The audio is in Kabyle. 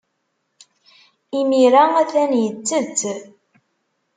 Imir-a, atan yettett.